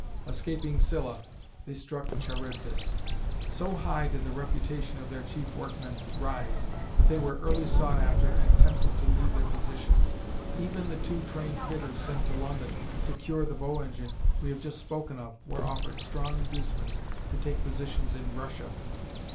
Escaping Scylla they struck Charybdis. So high did the reputation of their chief workmen rise, that they were early sought after and tempted to leave their positions. Even the two trained fitters sent to London to cure the Bow engine we have just spoken of were offered strong inducements to take positions in Russia.